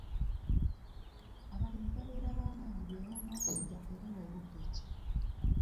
Abalimi babeera bamanyi bye banaasiga era mu budde ki.